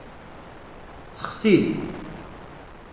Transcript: Sexsi-t.